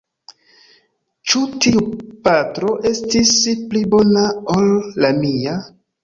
Ĉu tiu patro estis pli bona ol la mia?